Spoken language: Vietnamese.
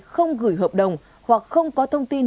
không gửi hợp đồng hoặc không có thông tin